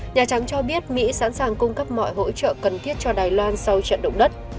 nhà trắng cho biết mỹ sẵn sàng cung cấp mọi hỗ trợ cần thiết cho đài loan sau trận động đất